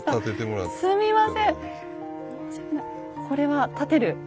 これは立てる。